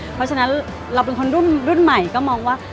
เพราะฉะนั้นเราเป็นคนรุ่นใหม่ก็มองว่า